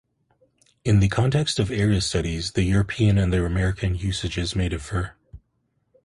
In the context of area studies, the European and the American usages may differ.